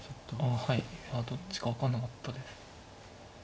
あはいどっちか分かんなかったです。